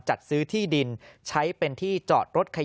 จัดซื้อที่ดินใช้เป็นที่จอดรถขยะ